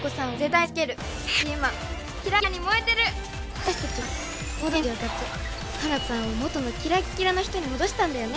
私たちはモードチェンジを使ってハナコさんを元のキラッキラの人に戻したんだよね！